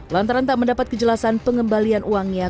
lantaran tak mendapat kejelasan pengembalian uangnya